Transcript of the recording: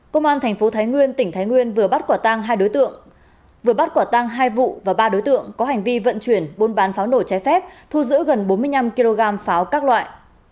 công an tp thái nguyên tỉnh thái nguyên vừa bắt quả tang hai vụ và ba đối tượng có hành vi vận chuyển bôn bán pháo nổ cháy phép thu giữ gần bốn mươi năm kg pháo các loại